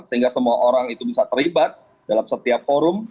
sehingga semua orang itu bisa terlibat dalam setiap forum